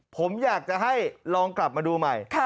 ผมอยากจะให้ลองกลับมาดูใหม่